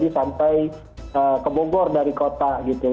sampai ke bogor dari kota gitu